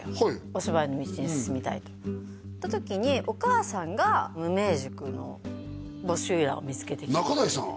お芝居の道に進みたいとって言った時にお母さんが無名塾の募集欄を見つけてきて仲代さん？